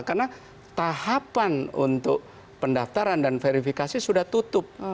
karena tahapan untuk pendaftaran dan verifikasi sudah tutup